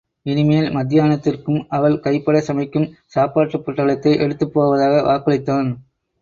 இனிமேல் மத்தியானத்திற்கும் அவள் கைப்பட சமைக்கும் சாப்பாட்டுப் பொட்டலத்தை எடுத்துப் போவதாக வாக்களித்தான்.